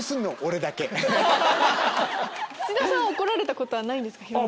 土田さんは怒られたことはないんですか？